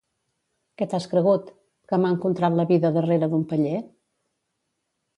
Què t'has cregut?, que m'ha encontrat la vida darrere d'un paller?